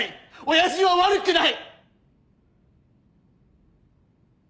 親父は悪くない！